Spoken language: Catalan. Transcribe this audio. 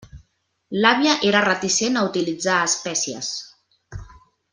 L'àvia era reticent a utilitzar espècies.